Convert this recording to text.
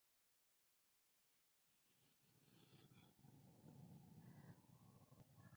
Brandy is the only child of Rev.